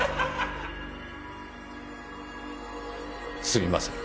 すみません。